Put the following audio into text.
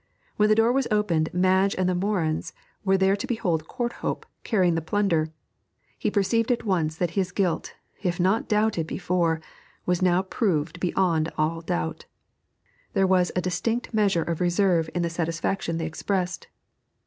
When the door was opened Madge and the Morins were there to behold Courthope carrying the plunder. He perceived at once that his guilt, if doubted before, was now proved beyond all doubt. There was a distinct measure of reserve in the satisfaction they expressed.